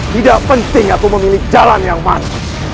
tidak penting aku memilih jalan yang pas